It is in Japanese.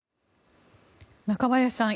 中林さん